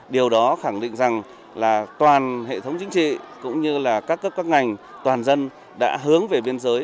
điều đó khẳng định rằng là toàn hệ thống chính trị cũng như là các cấp các ngành toàn dân đã hướng về biên giới